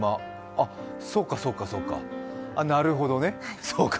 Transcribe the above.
あっ、そうか、そうか、なるほどね。